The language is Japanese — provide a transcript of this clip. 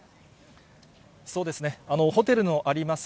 そうですね、ホテルのあります